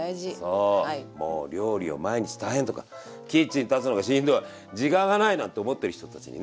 そうもう料理を毎日大変とかキッチン立つのがしんどい時間が無いなんて思っている人たちにね。